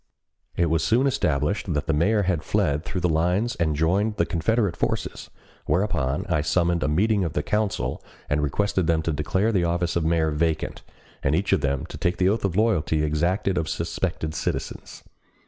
It was soon established that the mayor had fled through the lines and joined the Confederate forces, whereupon I summoned a meeting of the council and requested them to declare the office of mayor vacant, and each of them to take the oath of loyalty exacted of suspected citizens.